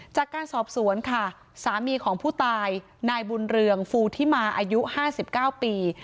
จากการสอบสวนค่ะสามีของผู้ตายนายบุญเรืองฟูทิมาอายุ๕๙ปี